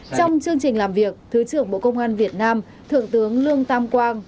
trong chương trình làm việc thứ trưởng bộ công an việt nam thượng tướng lương tam quang